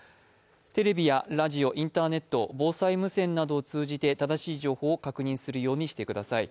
テレビやラジオ、インターネット防災無線などを通じて正しい情報を確認するようにしてください。